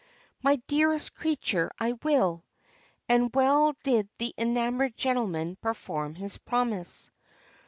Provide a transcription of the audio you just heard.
"My dearest creature, I will." And well did the enamored gentleman perform his promise.